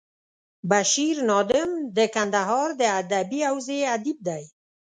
بشیر نادم د کندهار د ادبي حوزې ادیب دی.